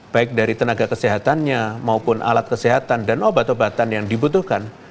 baik dari tenaga kesehatannya maupun alat kesehatan dan obat obatan yang dibutuhkan